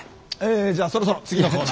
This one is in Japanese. えじゃあそろそろ次のコーナー。